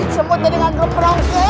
semut jadi ngekemerung simut